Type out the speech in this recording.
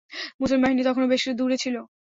মুসলিম বাহিনী তখনও বেশ দূরে ছিল।